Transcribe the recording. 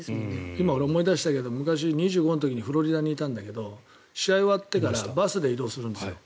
今、思い出したけど昔２５の時にフロリダにいたんだけど試合が終わってからバスで移動するんです。